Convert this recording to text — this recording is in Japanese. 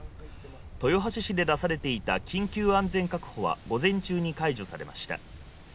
豊橋市で出されていた緊急安全確保は、午前中に解除されました。